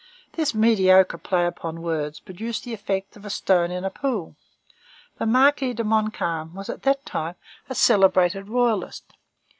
This mediocre play upon words produced the effect of a stone in a pool. The Marquis de Montcalm was at that time a celebrated royalist.